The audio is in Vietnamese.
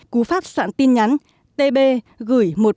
cú pháp soạn tin nhắn tb g một nghìn bốn trăm linh hai